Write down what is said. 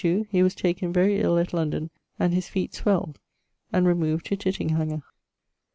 1682, he was taken very ill at London, and his feet swelled; and removed to Tittinghanger.